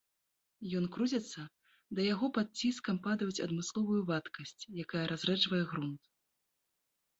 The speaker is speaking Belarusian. Ён круціцца, да яго пад ціскам падаюць адмысловую вадкасць, якая разрэджвае грунт.